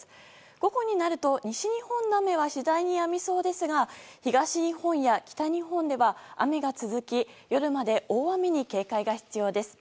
午後になると、西日本の雨は次第にやみそうですが東日本や北日本では雨が続き夜まで大雨に警戒が必要です。